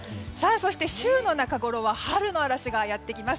そして週の中ごろは春の嵐がやってきます。